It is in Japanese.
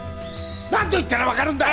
何度言ったら分かるんだ！